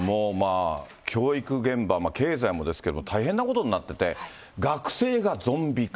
さあ、中国なんですけども、まあ、教育現場、経済もですけれども、大変なことになってて、学生がゾンビ化。